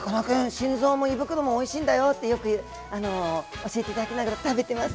心臓も胃袋もおいしいんだよ」ってよく教えていただきながら食べてます。